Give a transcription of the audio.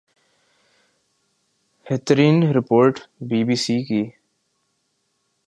ہترین report B B C کی